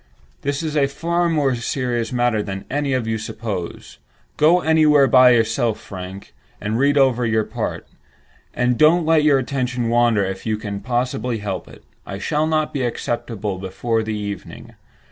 This is a far more serious matter than any of you suppose. Go somewhere by yourself, Frank, and read over your part, and don't let your attention wander if you can possibly help it. I shall not be accessible before the evening.